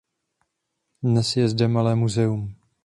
Dnes je zde malé muzeum.